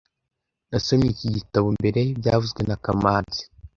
Nasomye iki gitabo mbere byavuzwe na kamanzi